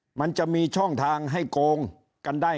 ยิ่งอาจจะมีคนเกณฑ์ไปลงเลือกตั้งล่วงหน้ากันเยอะไปหมดแบบนี้